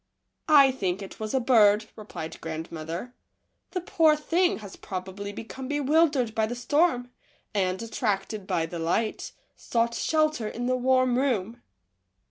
" I think it was a bird," replied grandmother ; M the poor thing has probably become bewildered by the storm, and, attracted by the light, sought shelter in the warm room."